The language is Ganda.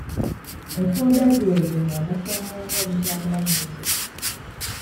Enfunda ziweze nga mbasanga nga mutambula mwembi.